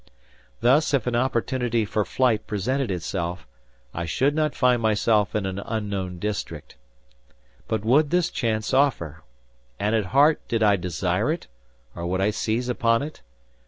Thus if an opportunity for flight presented itself, I should not find myself in an unknown district. But would this chance offer? And at heart, did I desire it, or would I seize upon it?